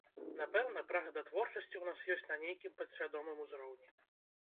Напэўна, прага да творчасці ў нас ёсць на нейкім падсвядомым узроўні.